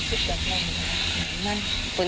ที่บอกไปอีกเรื่อยเนี่ย